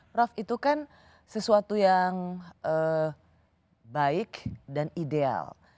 prof itu kan sesuatu yang baik dan ideal